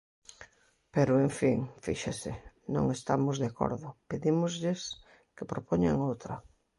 Pero, en fin, ¡fíxese!, non estamos de acordo, pedímoslles que propoñan outra.